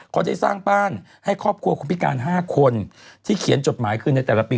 เขาได้สร้างบ้านให้ครอบครัวคนพิการ๕คนที่เขียนจดหมายคือในแต่ละปี